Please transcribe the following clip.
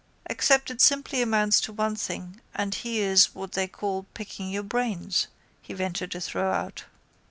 —Except it simply amounts to one thing and he is what they call picking your brains, he ventured to throw out.